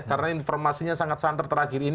karena informasinya sangat santer terakhir ya